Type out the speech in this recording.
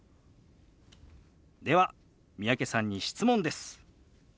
では三宅さんに質問です。